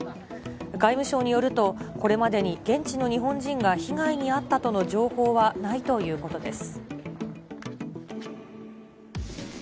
外務省によると、これまでに現地の日本人が被害に遭ったとの情報はないということです。